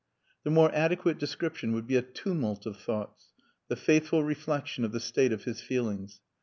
The more adequate description would be a tumult of thoughts the faithful reflection of the state of his feelings.